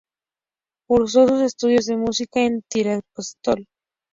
Cursó sus estudios de música en Tiráspol.